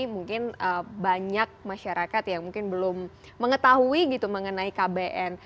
mungkin banyak masyarakat yang belum mengetahui mengenai kbn